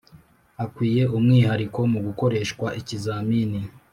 Akwiye umwihariko mu gukoreshwa ikizamini